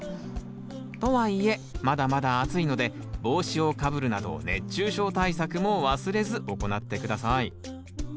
とはいえまだまだ暑いので帽子をかぶるなど熱中症対策も忘れず行って下さい。